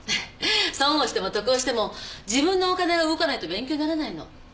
損をしても得をしても自分のお金が動かないと勉強にならないの。